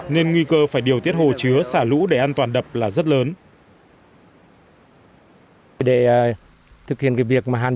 nên nguy cơ phải điều tiết hồ chứa xả lũ để an toàn đập là rất lớn